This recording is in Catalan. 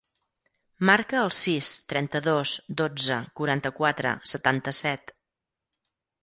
Marca el sis, trenta-dos, dotze, quaranta-quatre, setanta-set.